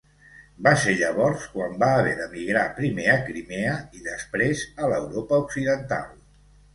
Va ser llavors quan va haver d'emigrar primer a Crimea i després a l'Europa occidental.